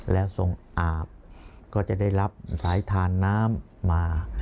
แล้วทรงอาบก็จะได้รับสายทานน้ำมา